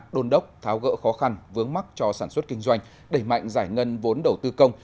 đôn đốc tháo gỡ khó khăn vướng mắt cho sản xuất kinh doanh đẩy mạnh giải ngân vốn đầu tư công